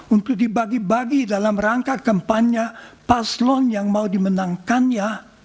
untuk dibagi bagi dalam rangka kampanye paslon yang mau dimenangkannya